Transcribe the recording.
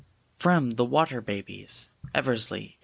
From The Water Babies. Eversley, 1862.